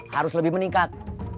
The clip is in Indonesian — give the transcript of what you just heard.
harus lebih meningkat